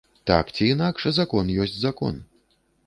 Так ці інакш, закон ёсць закон.